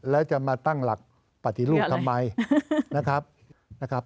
แล้วจะมาตั้งหลักปฏิรูปทำไมนะครับ